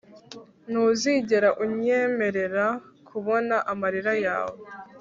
ntuzigera unyemerera kubona amarira yawe